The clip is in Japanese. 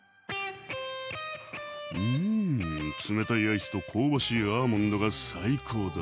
うん冷たいアイスと香ばしいアーモンドが最高だ。